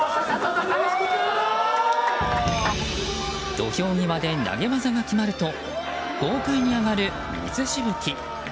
土俵際で投げ技が決まると豪快に上がる水しぶき。